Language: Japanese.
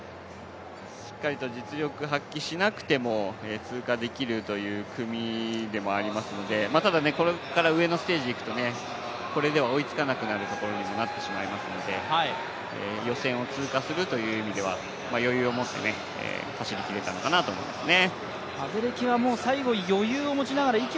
しっかりと実力発揮しなくても通過できるという組でもありますのでただこれから上のステージにいくと、これでは追いつかなくなるところになってしまいますので、予選を通過するという意味では余裕を持って走り切れたのかなと思いますね。